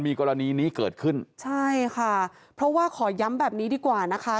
มีกรณีนี้เกิดขึ้นใช่ค่ะเพราะว่าขอย้ำแบบนี้ดีกว่านะคะ